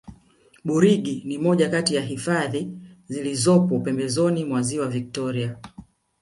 burigi ni moja Kati ya hifadhi zilizopo pembezoni mwa ziwa victoria